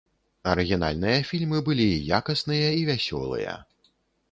Арыгінальныя фільмы былі і якасныя і вясёлыя.